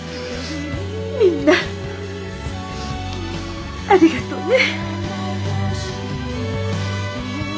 みんなありがとうね。